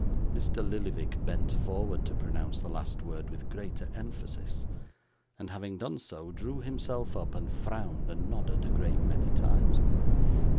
Mr. Lillyvick bent forward to pronounce the last word with greater emphasis; and having done so, drew himself up, and frowned and nodded a great many times.